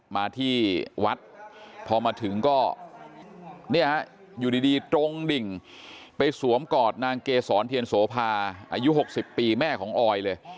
มาที่วัดพอมาถึงก็เนี่ยฮะอยู่ดีตรงดิ่งไปสวมกอดนางเกษรเทียนโสภาอายุ๖๐ปีแม่ของออยเลย